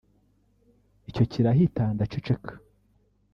icyo kirahita ndaceceka